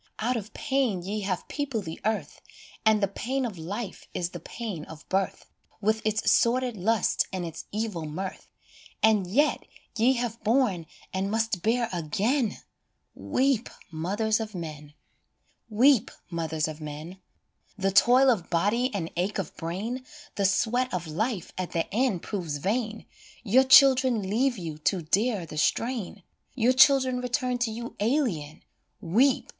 s Out of pain ye have peopled the earth, And the pain of life is the pain of birth, With its sordid lust and its evil mirth, And yet ye have borne and must bear again Weep, mothers of men ! Weep, mothers of men ! The toil of body and ache of brain, The sweat of life at the end proves vain ; Your children leave you to dare the strain, Your children return to you alien Weep, mothers of men